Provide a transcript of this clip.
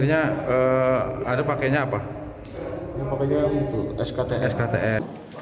yang pakenya itu sktm